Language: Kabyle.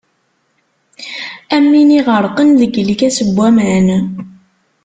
Am win iɣerqen deg lkas n waman.